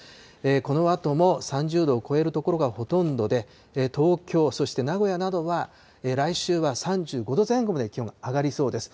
このあとも３０度を超える所がほとんどで、東京、そして名古屋などは、来週は３５度前後まで気温上がりそうです。